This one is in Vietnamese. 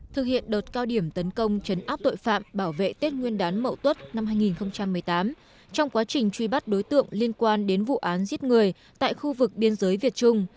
thực hiện đợt cao điểm tấn công chấn áp tội phạm bảo vệ tết nguyên đán mậu tuất năm hai nghìn một mươi tám trong quá trình truy bắt đối tượng liên quan đến vụ án giết người tại khu vực biên giới việt trung